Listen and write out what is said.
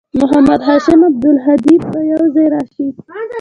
محمد هاشم او عبدالهادي به یوځای راشي